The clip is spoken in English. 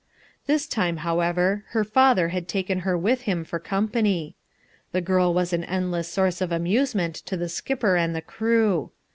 This time, however, her father had taken her with him for company. The girl was an endless source of amusement to the skipper and the crew.